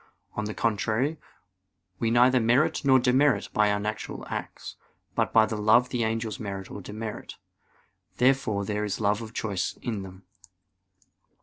On the contrary, We neither merit nor demerit by our natural acts. But by their love the angels merit or demerit. Therefore there is love of choice in them.